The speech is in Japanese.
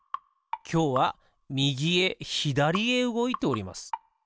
きょうはみぎへひだりへうごいております。